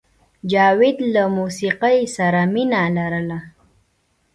جاوید له موسیقۍ سره مینه لرله